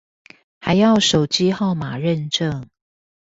還要手機號碼認證